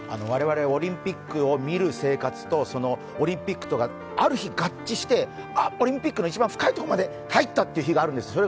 我々オリンピックを見る生活と、オリンピックがある日合致して、オリンピックの一番深いところまで入ったという日があるんです。